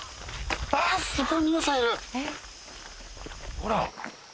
ほら。